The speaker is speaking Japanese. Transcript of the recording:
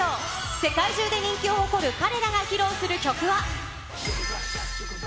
世界中で人気を誇る彼らが披露する曲は。